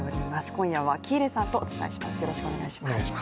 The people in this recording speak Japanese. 今夜は喜入さんとお伝えします。